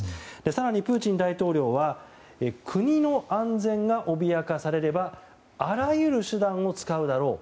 更に、プーチン大統領は国の安全が脅かされればあらゆる手段を使うだろう。